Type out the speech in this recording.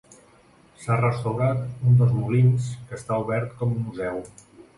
S'ha restaurat un dels molins que està obert com a museu.